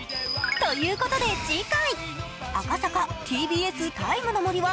ということで次回！